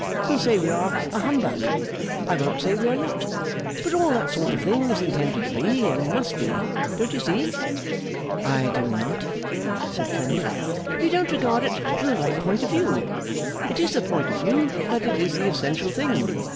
You'll say we are a humbug. I won't say we are not; but all that sort of thing is intended to be, and must be. Don't you see?' 'I do not,' said Clennam. 'You don't regard it from the right point of view. It is the point of view that is the essential thing.